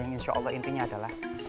insya allah intinya adalah